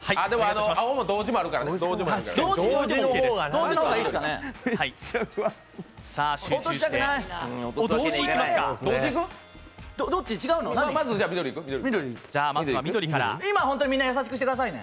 青と同じもあるからね。